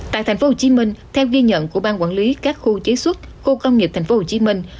tại thành phố hồ chí minh theo ghi nhận của ban quản lý các khu chế xuất khu công nghiệp thành phố hồ chí minh